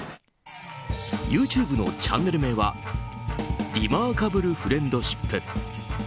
ＹｏｕＴｕｂｅのチャンネル名は「リマーカブルフレンドシップ」。